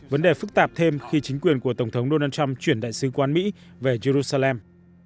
vấn đề phức tạp thêm khi chính quyền của tổng thống donald trump chuyển đại sứ quán mỹ về jerusalem